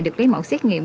được lấy mẫu xét nghiệm